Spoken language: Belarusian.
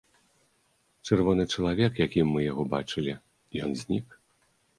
Чырвоны чалавек, якім мы яго бачылі, ён знік.